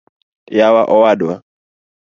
yawa owadwa